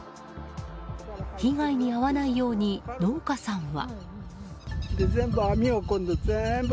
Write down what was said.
被害に遭わないように農家さんは。